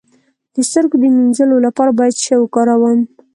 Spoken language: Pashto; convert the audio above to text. د سترګو د مینځلو لپاره باید څه شی وکاروم؟